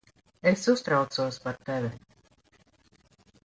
Es uztraucos par tevi.